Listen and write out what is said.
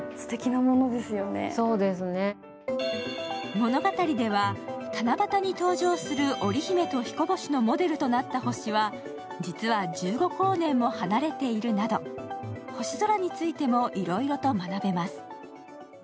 物語では、七夕に登場する織姫と彦星のモデルとなった星は実は１５光年も離れているなど、星空についてもいろいろと学べます。